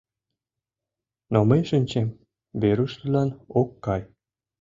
Но мый шинчем, Веруш тудлан ок кай.